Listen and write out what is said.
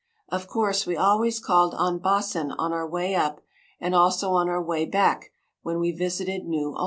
Of course, we always called on Baasen on our way up, and also on our way back, when we visited New Ulm.